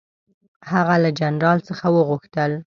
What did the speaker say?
هغه له جنرال څخه وغوښتل.